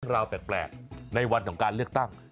ราวแปลกในวันของการเลือกตั้ง